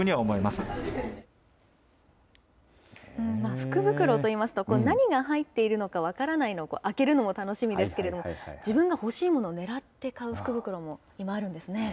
福袋といいますと、何が入っているのか分からないのを開けるのも楽しみですけれども、自分が欲しいものをねらって買う福袋も、今、あるんですね。